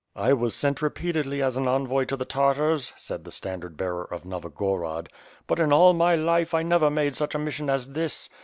"I was sent repeatedly as an envoy to the Tartars," said the standard bearer of Novogorod, but in all my life I never made such a mission as this.